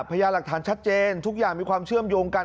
พยายามหลักฐานชัดเจนทุกอย่างมีความเชื่อมโยงกัน